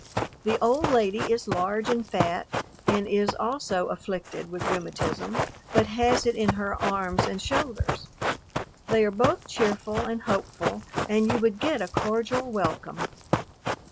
The old lady is large and fat, and is also afflicted with rheumatism, but has it in her arms and shoulders. They are both cheerful and hopeful, and you would get a cordial welcome....